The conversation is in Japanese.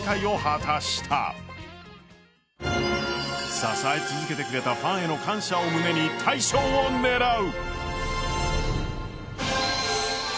支え続けてくれたファンへの感謝を胸に大賞を狙う。